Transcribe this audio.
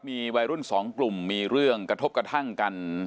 มีวัยรุ่นสองกลุ่มมีเรื่องกระทบกระทั่งกัน